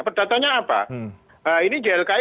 perdatanya apa ini ylki